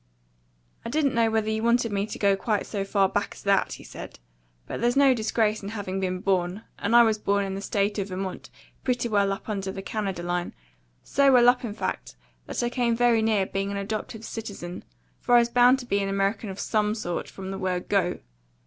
"I didn't know whether you wanted me to go quite so far back as that," he said. "But there's no disgrace in having been born, and I was born in the State of Vermont, pretty well up under the Canada line so well up, in fact, that I came very near being an adoptive citizen; for I was bound to be an American of SOME sort, from the word Go!